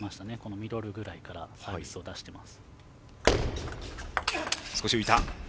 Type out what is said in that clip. ミドルぐらいからサービスを出しています。